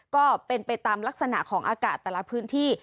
ก็เป็นไปตามลักษณะของอากาศแต่ละพื้นที่